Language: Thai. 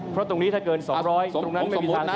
เพราะตรงดนี้ถ้าเกิน๒๐๐มันแล้วไม่ได้๓๐๐